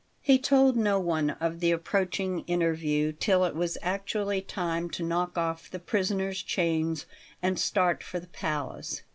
He told no one of the approaching interview till it was actually time to knock off the prisoner's chains and start for the palace.